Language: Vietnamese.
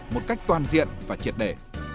một cách toàn diện và triệt đề